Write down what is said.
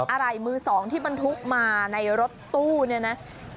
อะไรมือสองที่บรรทุกมาในรถตู้เนี่ยนะ